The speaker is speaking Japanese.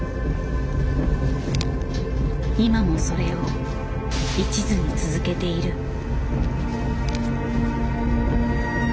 今もそれを一途に続けている。